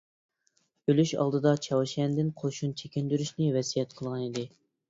ئۆلۈش ئالدىدا چاۋشيەندىن قوشۇن چېكىندۈرۈشنى ۋەسىيەت قىلغانىدى.